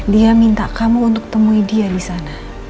dia minta kamu untuk temui dia disana